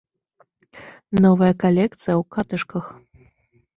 Новая калекцыя ў катышках!